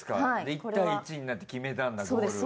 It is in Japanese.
１対１になって決めたんだゴールを。